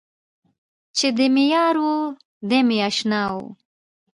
چې دی مې یار و، دی مې اشنا و.